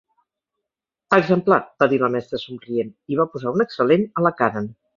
Exemplar, va dir la mestra somrient, i va posar un Excel·lent a la Karen.